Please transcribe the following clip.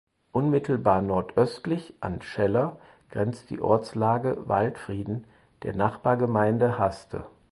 Unmittelbar nordöstlich an Scheller grenzt die Ortslage "Waldfrieden" der Nachbargemeinde Haste.